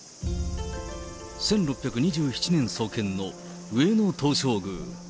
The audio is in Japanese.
１６２７年創建の上野東照宮。